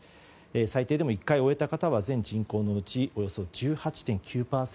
最低でも１回終えた方は全人口のうちおよそ１８．９％。